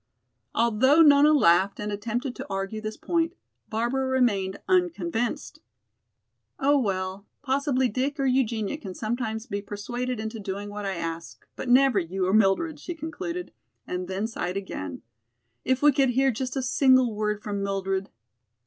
Although Nona laughed and attempted to argue this point, Barbara remained unconvinced. "Oh, well, possibly Dick or Eugenia can sometimes be persuaded into doing what I ask, but never you or Mildred," she concluded, and then sighed again. "If we could hear just a single word from Mildred!"